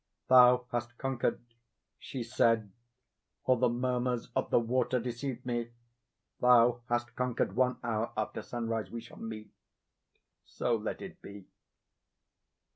"Thou hast conquered," she said, or the murmurs of the water deceived me; "thou hast conquered—one hour after sunrise—we shall meet—so let it be!"